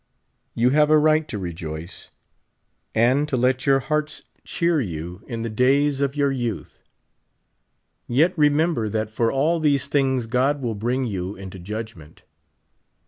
You have a right to rejoice, and to let your hearts cheer you 70 in the days ot" your youth; yet remember tt^t for all these things God will bring you into judgment.